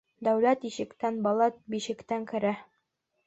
Дәүләт ишектән, бала бишектән керә.